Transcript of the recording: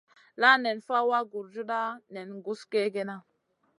La nen fawa gurjuda nen guss kegena.